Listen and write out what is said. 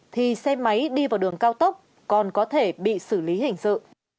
thì xe máy đi vào đường cao tốc còn có thể bị xử lý hình sự